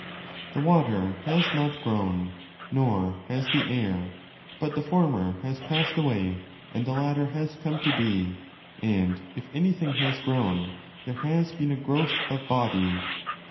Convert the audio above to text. The water has not grown, nor has the air: but the former has passed away and the latter has come to be, and—if anything has grown—there has been a growth of 'body'.